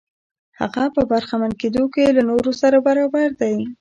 هغه په برخمن کېدو کې له نورو سره برابر دی.